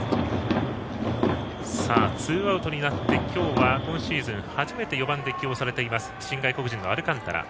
ツーアウトになって今日は今シーズン初めて４番で起用されている新外国人のアルカンタラ。